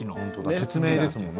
説明ですもんね。